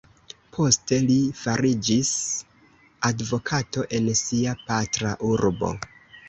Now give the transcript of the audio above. Poste li fariĝis advokato en sia patra urbo.